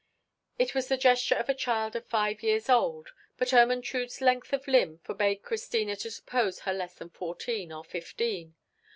It was the gesture of a child of five years old, but Ermentrude's length of limb forbade Christina to suppose her less than fourteen or fifteen.